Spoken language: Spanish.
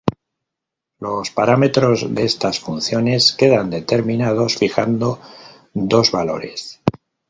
Los parámetros de estas funciones quedan determinados fijando dos valores.